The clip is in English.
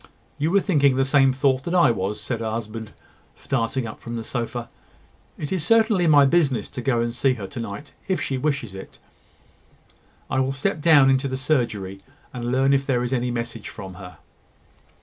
"You were thinking the same thought that I was," said her husband, starting up from the sofa. "It is certainly my business to go and see her to night, if she wishes it. I will step down into the surgery, and learn if there is any message from her."